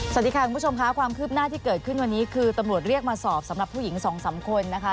สวัสดีค่ะคุณผู้ชมค่ะความคืบหน้าที่เกิดขึ้นวันนี้คือตำรวจเรียกมาสอบสำหรับผู้หญิงสองสามคนนะคะ